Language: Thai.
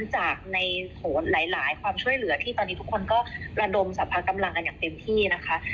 จากในหลายความช่วยเหลือที่ตอนนี้ทุกคนก็ระดมสรรพากำลังกันอย่างเต็มที่นะคะ